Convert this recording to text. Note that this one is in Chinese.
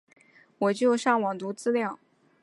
我就上网读资料